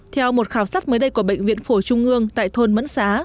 theo một khảo sát mới đây của bệnh viện phổ trung ương tại thôn mẫn xá